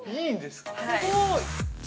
◆すごい。